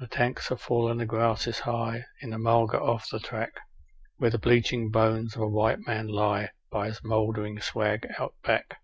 The tanks are full and the grass is high in the mulga off the track, Where the bleaching bones of a white man lie by his mouldering swag Out Back.